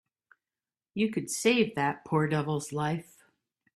You could save that poor devil's life.